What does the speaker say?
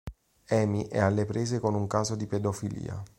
Amy è alle prese con un caso di pedofilia.